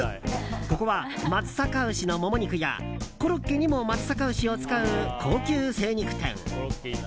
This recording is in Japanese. ここは松阪牛のモモ肉やコロッケにも松阪牛を使う高級精肉店。